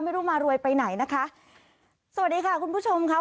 ไม่รู้มารวยไปไหนนะคะสวัสดีค่ะคุณผู้ชมค่ะ